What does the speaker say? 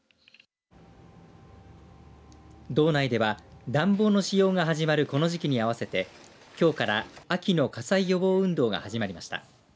道内では、暖房の使用が始まるこの時期に合わせてきょうから秋の火災予防運動が始まりました。